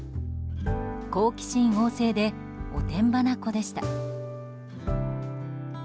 好奇心旺盛でおてんばな子でした。